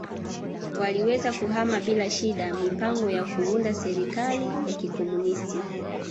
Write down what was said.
waliweza kuhama bila shida mipango ya kuunda serikali ya kikomunist